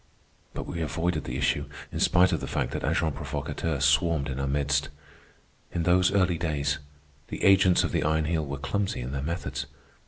But we avoided the issue, in spite of the fact that agents provocateurs swarmed in our midst. In those early days, the agents of the Iron Heel were clumsy in their methods.